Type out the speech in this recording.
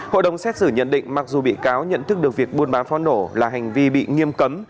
hội đồng xét xử nhận định mặc dù bị cáo nhận thức được việc buôn bán pháo nổ là hành vi bị nghiêm cấm